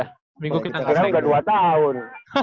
karena udah dua tahun